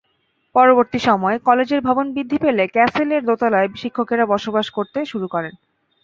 পরবর্তী সময়ে কলেজের ভবন বৃদ্ধি পেলে ক্যাসেলের দোতলায় শিক্ষকেরা বসবাস শুরু করেন।